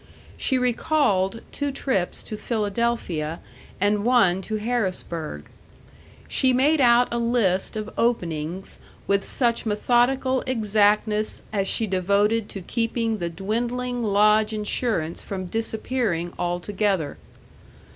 She recalled two trips to Philadelphia and one to Harrisburg. She made out a list of openings with such methodical exactness as she devoted to keeping the dwindling lodge insurance from disappearing altogether.